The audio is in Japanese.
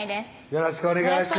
よろしくお願いします